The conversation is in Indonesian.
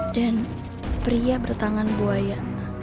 dan pria bertangan buaya